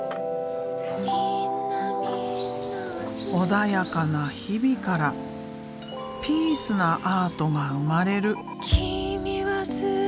穏やかな日々からピースなアートが生まれる。